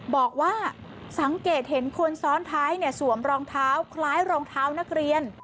บอกว่าสังเกตเห็นคนซ้อนท้ายสวมรองเท้าคล้ายรองเท้านักเรียน